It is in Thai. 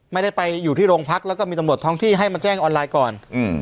ไม่ได้ไปอยู่ที่โรงพักแล้วก็มีตำรวจท้องที่ให้มาแจ้งออนไลน์ก่อน